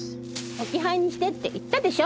置き配にしてって言ったでしょ！